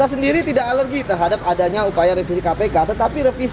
sesuatu yang terjadi di pasukan p osoby